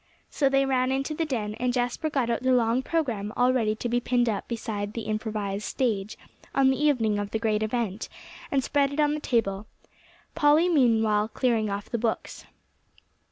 So they ran into the den; and Jasper got out the long program all ready to be pinned up beside the improvised stage, on the evening of the great event, and spread it on the table, Polly meanwhile clearing off the books.